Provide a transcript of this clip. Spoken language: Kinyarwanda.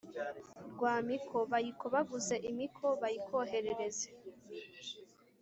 rwamiko/ bayikobaguze imikoni/ bayikoherereze